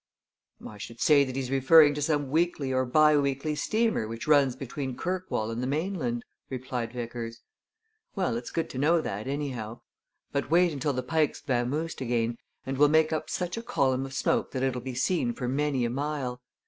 "I should say that he's referring to some weekly or bi weekly steamer which runs between Kirkwall and the mainland," replied Vickers. "Well it's good to know that, anyhow. But wait until the Pike's vamoosed again, and we'll make up such a column of smoke that it'll be seen for many a mile.